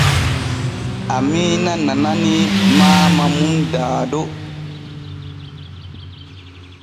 Amiina nananii Maama mum Dado.